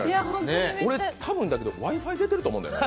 多分やけどＷｉ−Ｆｉ出てると思うんだよね。